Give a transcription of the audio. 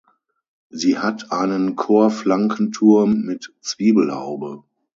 Sie hat einen Chorflankenturm mit Zwiebelhaube.